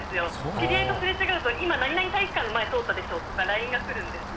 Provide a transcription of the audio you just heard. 知り合いとすれ違うと今何々体育館の前通ったでしょ？とかＬＩＮＥが来るんです。